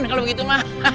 kalau begitu mah